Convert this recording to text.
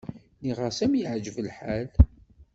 Nniɣ-as am yeεǧeb lḥal.